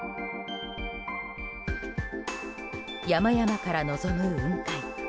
山々から望む雲海。